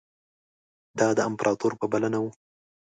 دا د امپراطور په بلنه وو.